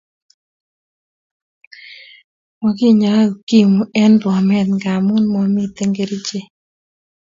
Mokinyae ukimu en Bomet ngamun mamiten kerichek